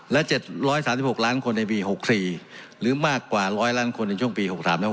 และ๗๓๖ล้านคนในปี๖๔หรือมากกว่า๑๐๐ล้านคนในช่วงปี๖๓แล้ว